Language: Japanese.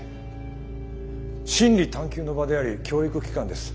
真理探究の場であり教育機関です。